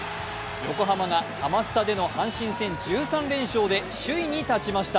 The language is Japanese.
横浜がハマスタでの阪神戦１３連勝で首位に立ちました。